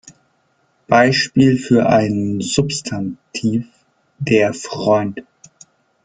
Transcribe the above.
Beispiel für einen Substantiv: "Der Freund".